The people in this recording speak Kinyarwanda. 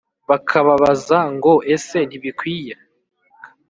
bakababaza ngo «Ese ntibikwiye